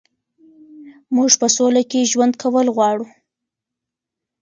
موږ په سوله کې ژوند کول غواړو.